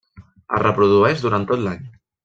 Es reprodueix durant tot l'any.